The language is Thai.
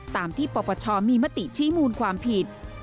ตามที่ปปชมีมติชี้มูลความผิด